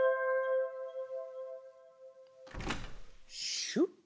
シュッ！